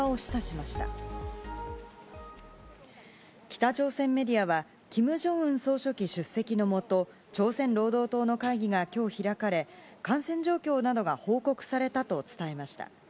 北朝鮮メディアは、キム・ジョンウン総書記出席の下、朝鮮労働党の会議がきょう開かれ、感染状況などが報告されたと伝えました。